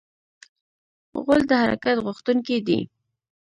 غول د حرکت غوښتونکی دی.